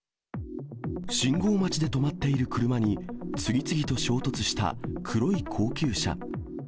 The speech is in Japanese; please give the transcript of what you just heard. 信号待ちで止まっている車に、次々と衝突した黒い高級車。